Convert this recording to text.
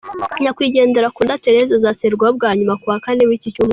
Nyakwigendera Kunda Thérèse azasezerwaho bwa nyuma ku wa Kane w’iki cyumweru.